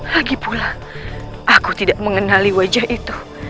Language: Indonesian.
lagi pula aku tidak mengenali wajah itu